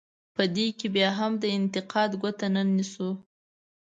په دې کې بیا هم د انتقاد ګوته نه نیسو.